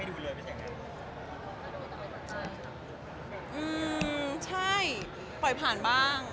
อืมใช่ปล่อยผ่านบ้าง